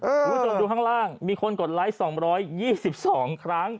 โอ้โฮจนดูข้างล่างมีคนกดไลค์๒๒๒ครั้ง